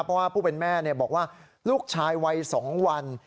เพราะว่าผู้เป็นแม่บอกว่าลูกชายวัย๒วัน